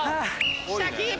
下キープ！